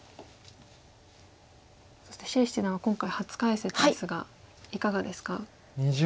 そして謝七段は今回初解説ですがいかがですか？